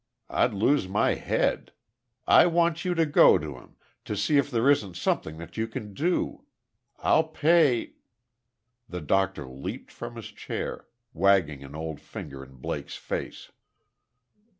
I'd lose my head. I want you to go to him, to see if there isn't something that you can do. I'll pay " The doctor leaped from his chair, waggling an old finger in Blake's face.